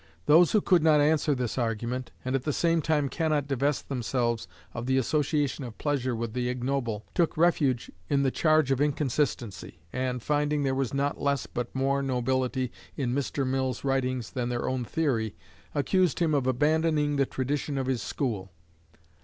Those who could not answer this argument, and at the same time cannot divest themselves of the association of pleasure with the ignoble, took refuge in the charge of inconsistency, and, finding there was not less but more nobility in Mr. Mill's writing than their own theory, accused him of abandoning the tradition of his school.